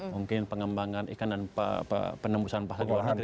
mungkin pengembangan ikan dan penembusan paha di luar negeri